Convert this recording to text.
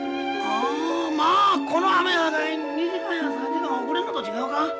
まあこの雨や２時間や３時間遅れんのと違うか？